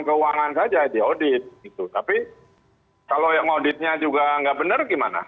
ya persoalan keuangan saja aja audit gitu tapi kalau yang mengauditnya juga nggak benar gimana